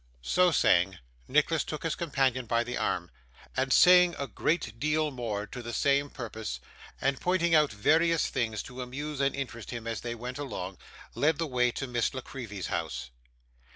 So saying, Nicholas took his companion by the arm, and saying a great deal more to the same purpose, and pointing out various things to amuse and interest him as they went along, led the way to Miss La Creevy's house.